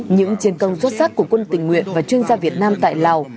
những chiến công xuất sắc của quân tình nguyện và chuyên gia việt nam tại lào